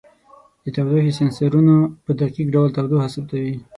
د تودوخې سینسرونو په دقیق ډول تودوخه ثبتوي.